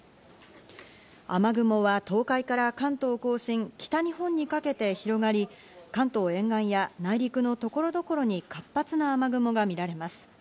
雨雲は東海から関東甲信、北日本にかけて広がり関東沿岸や内陸の所々に、活発な雨雲が見られます。